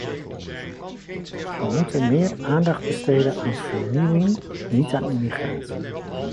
We moeten meer aandacht besteden aan vernieuwing, niet aan immigratie.